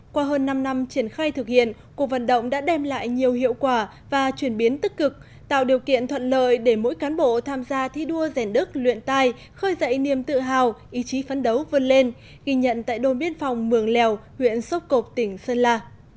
qua hơn năm năm triển khai thực hiện cuộc vận động đã đem lại nhiều hiệu quả và chuyển biến tích cực tạo điều kiện thuận lợi để mỗi cán bộ tham gia thi đua rèn đức luyện tai khơi dậy niềm tự hào ý chí phấn đấu vươn lên ghi nhận tại đồn biên phòng mường lèo huyện sốc cộp tỉnh sơn la